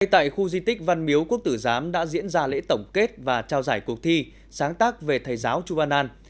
tại khu di tích văn miếu quốc tử giám đã diễn ra lễ tổng kết và trao giải cuộc thi sáng tác về thầy giáo chu van an